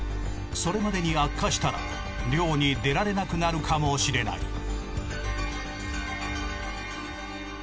それまでに悪化したら漁に出られなくなるかもしれない。